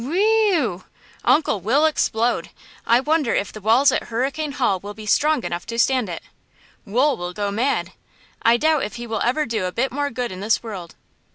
Whe–ew! Uncle will explode! I wonder if the walls at Hurricane Hall will be strong enough to stand it! Wool will go mad! I doubt if he will ever do a bit more good in this world!